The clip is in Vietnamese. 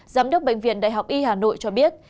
giám đốc bệnh viện đại học y hà nội cho biết